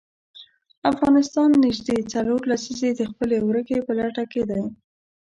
افغانستان نژدې څلور لسیزې د خپلې ورکې په لټه کې دی.